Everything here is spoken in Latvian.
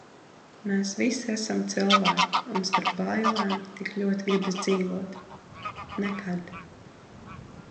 Mēs visi esam cilvēki un starp bailēm tik ļoti gribas dzīvot. Nekad.